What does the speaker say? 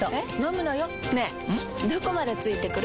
どこまで付いてくる？